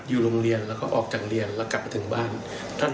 อยู่โรงเรียนออกจากเรียนก็กลับมาถึงบ้าน